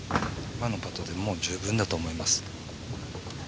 今のパットでもう十分だと思います。